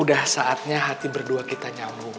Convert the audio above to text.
udah saatnya hati berdua kita nyambung